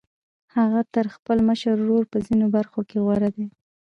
هغه تر خپل مشر ورور په ځينو برخو کې غوره دی.